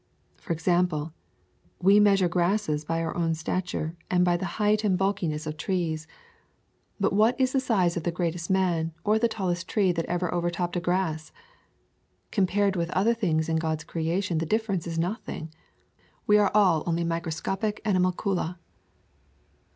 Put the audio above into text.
For example, we measure grasses by our own stature and by the height and bulkiness [ 102 | Florida Swamps and Forests of trees. But what is the size of the greatest man, or the tallest tree that ever overtopped a grass! Compared with other things in God's creation the difference is nothing. We all are only microscopic animalcula.